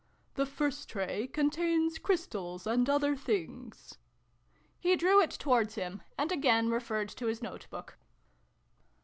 The first tray contains Crystals and other Things." He drew it towards him, and again referred to his note book.